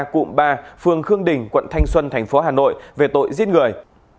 cụm ba phường khương đình quận thanh xuân tp hà nội về tội giết người